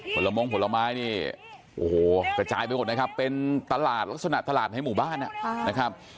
ผลมงผลไม้นี่โอ้โหกระจายไปหมดนะครับเป็นตลาดลักษณะตลาดในหมู่บ้านนะครับ